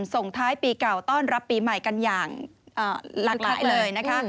ส่งท้ายปีเก่าต้อนรับปีใหม่กันอย่างหลากหลายเลยนะคะ